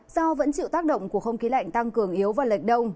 do vẫn chịu tác động của không khí lạnh tăng cường yếu và lệch đông